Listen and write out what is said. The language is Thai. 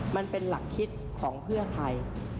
มันเป็นหลักคิดของเพื่อไทย